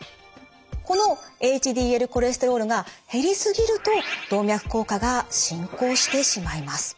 このＨＤＬコレステロールが減りすぎると動脈硬化が進行してしまいます。